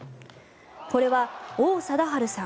これは王貞治さん